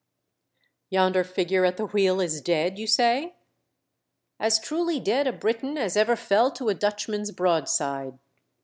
"Yonder figure at the wheel is dead, you say r As truly dead a Briton as ever fell to a Dutchman's broadside."